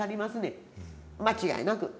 間違いなく。